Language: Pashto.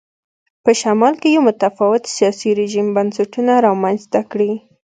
په شمال کې یو متفاوت سیاسي رژیم بنسټونه رامنځته کړي.